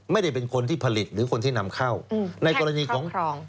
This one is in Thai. ไม่ได้เป็นคนที่ผลิตหรือคนที่นำเข้าในกรณีของครอง